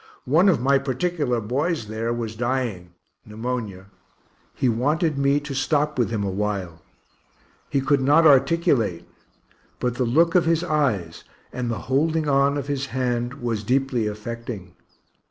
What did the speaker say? One of my particular boys there was dying pneumonia he wanted me to stop with him awhile; he could not articulate but the look of his eyes, and the holding on of his hand was deeply affecting.